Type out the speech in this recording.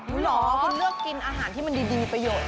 คุณเลือกกินอาหารที่มันดีประโยชน์